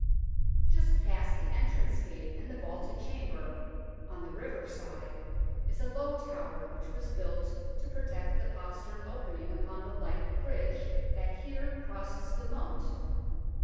Just past the entrance gate and the vaulted chamber, on the river side, is a low tower which was built to protect the postern opening upon the light bridge that here crosses the moat.